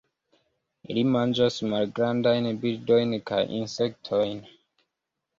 Ili manĝas malgrandajn birdojn kaj insektojn.